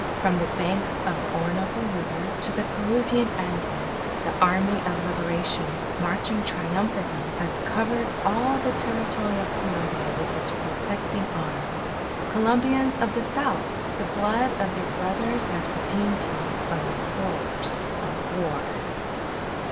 From the banks of the Orinoco River to the Peruvian Andes, the Army of Liberation, marching triumphantly, has covered all the territory of Colombia with its protecting arms._ ... _Colombians of the South! the blood of your brothers has redeemed you from the horrors of War!